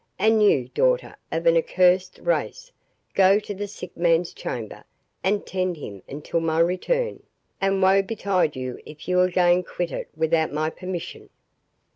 —And you, daughter of an accursed race, go to the sick man's chamber, and tend him until my return; and woe betide you if you again quit it without my permission!"